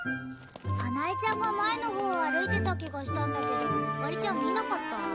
サナエちゃんが前の方を歩いてた気がしたんだけどユカリちゃん見なかった？